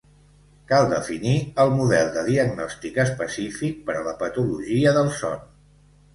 Cal definir el model de diagnòstic específic per a la patologia del son.